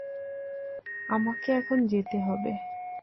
আমাকে এখন যেতে হবে।